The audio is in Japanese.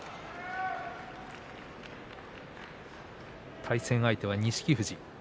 対戦相手は錦富士です。